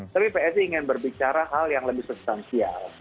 tapi psi ingin berbicara hal yang lebih substansial